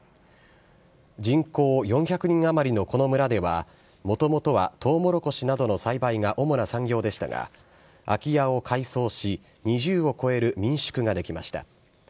人口４００人余りのこの村では、もともとはトウモロコシなどの栽培が主な産業でしたが、空き家を改装し、２０を超える民宿が出来ました。